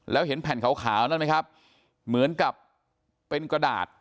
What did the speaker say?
แล้วเห็นแผ่นขาวนั่นไหมครับเหมือนกับเป็นกระดาษ